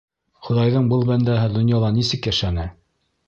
— Хоҙайҙың был бәндәһе донъяла нисек йәшәне?